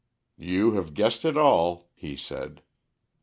"You have guessed it all," he said.